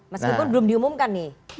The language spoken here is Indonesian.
meskipun belum diumumkan nih